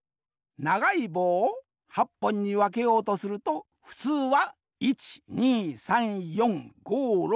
ながいぼうを８ぽんにわけようとするとふつうは１２３４５６７回きらねばならん。